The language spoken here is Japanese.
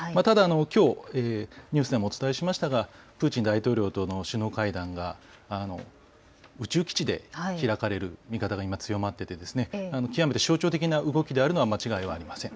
ただ、きょうニュースでもお伝えしましたがプーチン大統領との首脳会談が宇宙基地で開かれる見方が今、強まっていて極めて象徴的な動きであるのは間違いありません。